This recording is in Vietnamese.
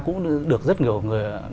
cũng được rất nhiều người